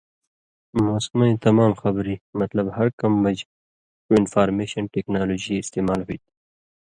موسمئیں تمام خبری، مطلب ہر کم مژ ݜُو انفارمېشن ٹېکنالوجی استعمال ہُوئ تھی۔